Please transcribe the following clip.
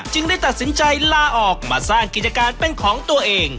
ได้ตัดสินใจลาออกมาสร้างกิจการเป็นของตัวเอง